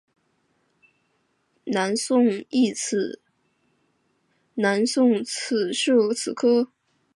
南宋亦设此科。